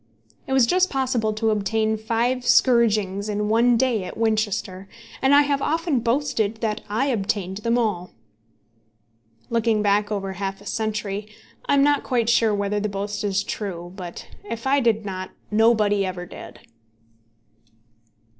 It was just possible to obtain five scourgings in one day at Winchester, and I have often boasted that I obtained them all. Looking back over half a century, I am not quite sure whether the boast is true; but if I did not, nobody ever did.